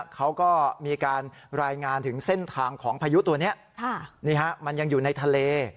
เขาก็มีการรายงานถึงเส้นทางของพายุตัวนี้มันยังอยู่ในทะเล